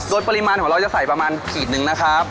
โดยปริมาณของเราจะใส่ประมาณขีดหนึ่งนะครับ